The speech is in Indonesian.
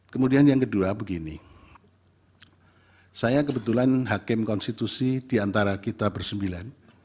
kemudian yang kedua begini saya kebetulan hakim konstitusi diantara kita bersembilan